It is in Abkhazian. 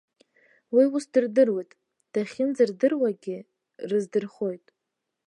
Уи ус дырдыруеит, дахьынӡардыруагьы рыздырхоит.